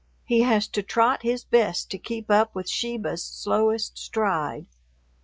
He has to trot his best to keep up with Sheba's slowest stride.